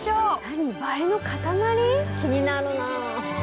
気になるなあ。